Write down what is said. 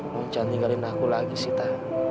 hujan tinggalin aku lagi sita